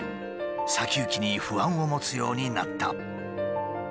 先行きに不安を持つようになった。